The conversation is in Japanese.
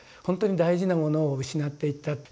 ほんとに大事なものを失っていった。